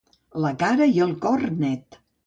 La cara i el cor net.